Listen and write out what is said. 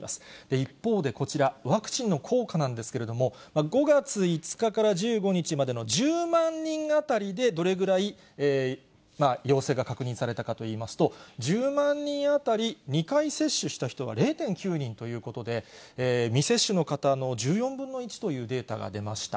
一方でこちら、ワクチンの効果なんですけれども、５月５日から１５日までの１０万人当たりでどれぐらい陽性が確認されたかといいますと、１０万人当たり、２回接種した人は０．９人ということで、未接種の方の１４分の１というデータが出ました。